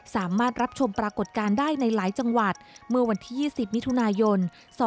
สามารถรับชมปรากฏการณ์ได้ในหลายจังหวัดเมื่อวันที่๒๐มิถุนายน๒๕๖๒